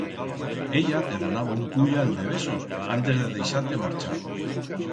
Ella te donaba un puyal de besos antes de deixar-te marchar.